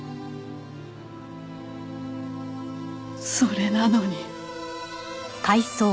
それなのに。